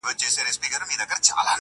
د بدو به بد مومې.